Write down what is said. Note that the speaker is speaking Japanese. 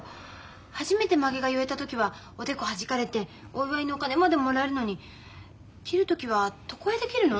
初めてまげが結えた時はおでこはじかれてお祝いのお金までもらえるのに切る時は床屋で切るの？